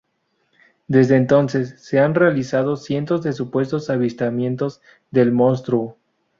Desde entonces, se han realizado cientos de supuestos avistamientos del monstruo.